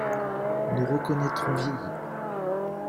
Nous reconnaîtrons vieillir.